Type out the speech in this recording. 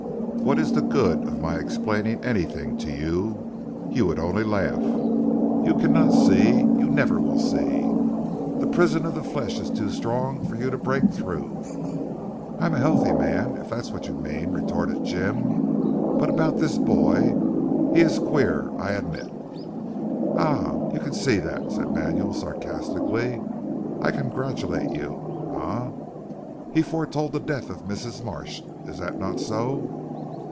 What is the good of my explaining anything to you? You would only laugh, you cannot see, you never will see. The prison of the flesh is too strong for you to break through." "I am a healthy man if that is what you mean," retorted Jim, "but about this boy? He is queer, I admit." "Ah you can see that!" said Manuel sarcastically. "I congratulate you. Eh! he foretold the death of Mrs. Marsh. Is it not so?"